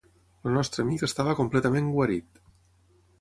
El nostre amic estava completament guarit.